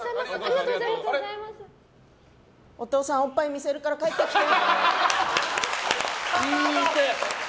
お父さん、おっぱい見せるからいいって！